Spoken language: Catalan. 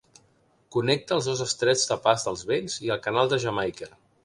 Connecta els dos estrets de Pas dels Vents i el Canal de Jamaica.